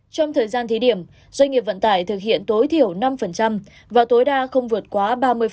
trong thời gian thí điểm doanh nghiệp vận tải thực hiện tối thiểu năm và tối đa không vượt quá ba mươi